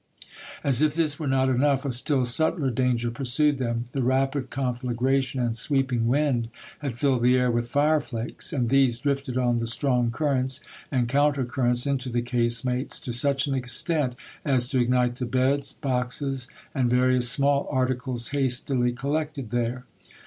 As if this were not enough, a still subtler danger pursued them. The rapid conflagration and sweep ing wind had filled the air with fii'e flakes, and these drifted on the strong cuiTents and counter currents into the casemates to such an extent as to ignite the beds, boxes, and various small articles hastily collected there.